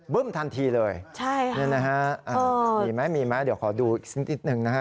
บึ้มทันทีเลยเนี่ยนะฮะมีไหมเดี๋ยวขอดูอีกสิ้นหนึ่งนะฮะ